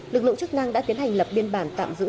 lực lượng chức năng đã tiến hành lập biên bản tạm giữ